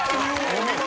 お見事！